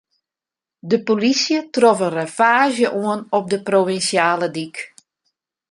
De polysje trof in ravaazje oan op de provinsjale dyk.